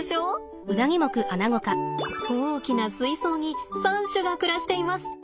大きな水槽に３種が暮らしています。